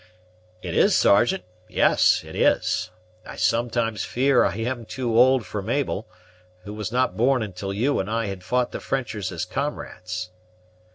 "It is, Sergeant; yes it is. I sometimes fear I am too old for Mabel, who was not born until you and I had fought the Frenchers as comrades."